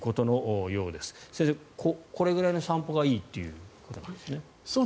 先生、これぐらいの散歩がいいということなんですね。